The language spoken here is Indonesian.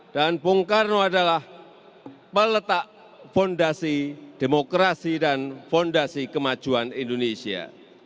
dan bung karno adalah peletak fondasi demokrasi dan fondasi kemajuan indonesia